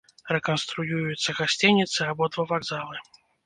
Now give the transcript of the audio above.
Рэканструююцца гасцініцы, абодва вакзалы.